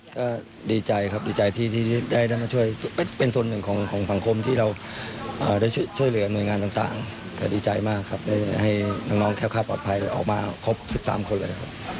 ก็ดีใจครับดีใจที่ได้มาช่วยเป็นส่วนหนึ่งของสังคมที่เราได้ช่วยเหลือหน่วยงานต่างก็ดีใจมากครับได้ให้น้องแค้วค่าปลอดภัยออกมาครบ๑๓คนเลยครับ